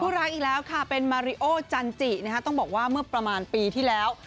รักอีกแล้วค่ะเป็นมาริโอจันจินะคะต้องบอกว่าเมื่อประมาณปีที่แล้ว